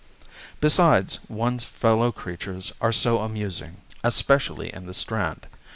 Besides, one's fellow creatures are so amusing: especially in the Strand.